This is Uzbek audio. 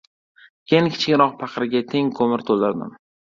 Keyin kichikroq paqirga teng ko‘mir to‘ldirdim.